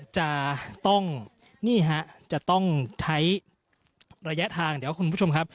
จะต้องใช้ระยะทางเดี๋ยวคุณผู้ชมครับ